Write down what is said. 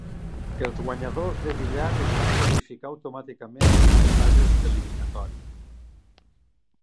Els guanyadors de billar es van qualificar automàticament per les fases d"eliminatòria.